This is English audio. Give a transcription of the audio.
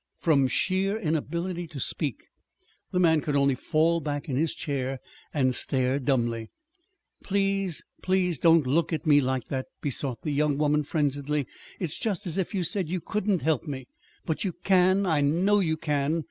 From sheer inability to speak, the man could only fall back in his chair and stare dumbly. "Please, please don't look at me like that," besought the young woman frenziedly. "It's just as if you said you couldn't help me. But you can! I know you can.